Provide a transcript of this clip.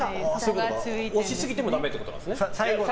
押しすぎてもダメってことなんですね。